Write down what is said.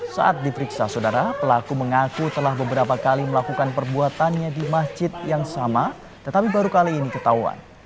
saat diperiksa saudara pelaku mengaku telah beberapa kali melakukan perbuatannya di masjid yang sama tetapi baru kali ini ketahuan